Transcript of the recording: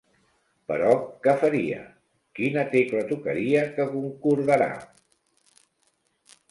Però, què faria? Quina tecla tocaria que concordara?